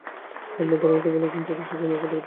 আপনার দারোয়ানকে বলে দিন, যাতে সে আমাকে ঢুকতে দেয়।